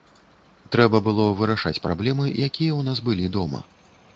Трэба было вырашаць праблемы, якія ў нас былі дома.